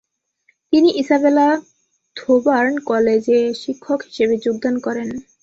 তিনি Isabella Thoburn কলেজে শিক্ষক হিসেবে যোগদান করেন।